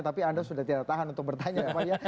tapi anda sudah tidak tahan untuk bertanya ya pak ya